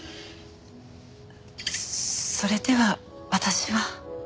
それでは私は。